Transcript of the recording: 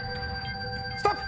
ストップ！